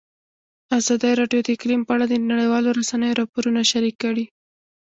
ازادي راډیو د اقلیم په اړه د نړیوالو رسنیو راپورونه شریک کړي.